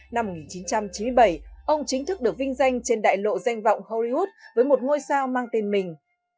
năm một nghìn chín trăm chín mươi bảy ông chính thức được vinh danh trên đại lộ danh vọng hollywood với một ngôi sao mang tên mình